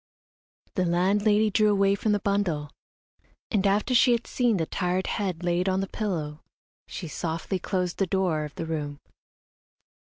The landlady drew away from the bundle, and after she had seen the tired head laid on the pillow, she softly closed the door of the room.